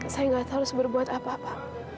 saya nggak tahu harus berbuat apa apa